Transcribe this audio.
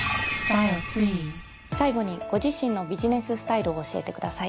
最後にご自身のビジネススタイルを教えてください。